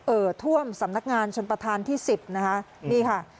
เอ่อท่วมสำนักงานชนประธานที่สิบนะคะนี่ค่ะ